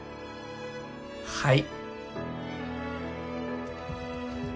はい。